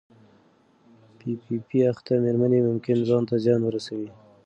پی پي پي اخته مېرمنې ممکن ځان ته زیان ورسوي.